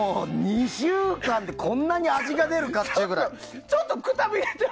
２週間でこんなに味が出るかっちゅうぐらい。